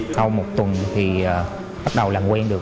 sau một tuần thì bắt đầu làm quen được